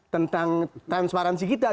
tentang transparansi kita